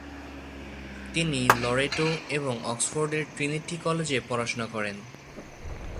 তিনি লরেটো এবং অক্সফোর্ডের ট্রিনিটি কলেজে পড়াশোনা করেন।